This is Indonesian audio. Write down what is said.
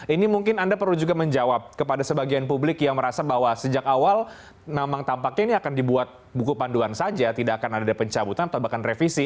ini mungkin anda perlu juga menjawab kepada sebagian publik yang merasa bahwa sejak awal memang tampaknya ini akan dibuat buku panduan saja tidak akan ada pencabutan atau bahkan revisi